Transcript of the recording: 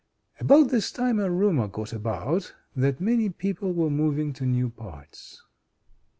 About this time a rumor got about that many people were moving to new parts.